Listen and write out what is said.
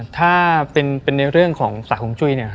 ถ้าเป็นในเรื่องของสาธวงจุ้ย